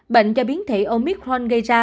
bệnh do biến thể omicron gây ra